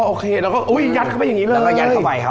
อ๋อโอเคแล้วก็อุ้ยยัดเข้าไปอย่างงี้เลยแล้วก็ยัดเข้าไปครับ